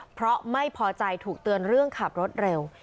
เพราะไม่พอใจถูกเตือนเรื่องขับรถเร็ว